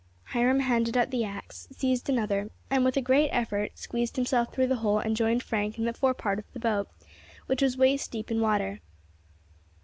Hiram handed up the axe, seized another, and with a great effort squeezed himself through the hole and joined Frank in the fore part of the boat, which was waist deep in water.